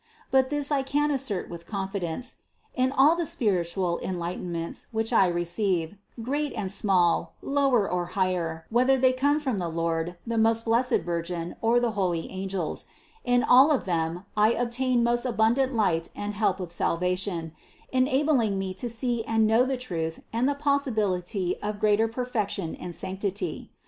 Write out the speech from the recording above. But this I can assert with confidence : in all the spiritual enlightenments, which I receive, great and small, lower or higher, whether they come from the Lord, the THE CONCEPTION 45 most blessed Virgin, or the holy angels, in all of them I obtain most abundant light and help of salvation, en abling me to see and know the truth and the possibility of greater perfection and sanctity.